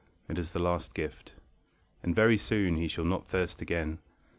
It is the last gift, And very soon he shall not thirst again.